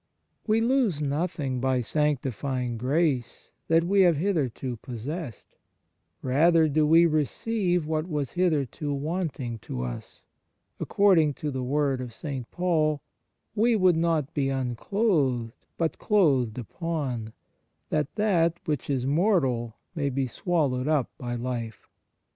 1 1 In Joannem, i. i. 14. 2 4 ON THE NATURE OF GRACE We lose nothing by sanctifying grace that we have hitherto possessed; rather do we receive what was hitherto wanting to us; according to the word of St. Paul, " We would not be unclothed, but clothed upon ; that that which is mortal may be swallowed up by life."